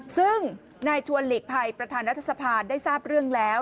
ซึ่งนายชวนหลีกภัยประธานรัฐสภาได้ทราบเรื่องแล้ว